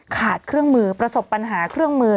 ขาดเครื่องมือประสบปัญหาเครื่องมือ